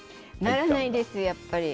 ならないです、やっぱり。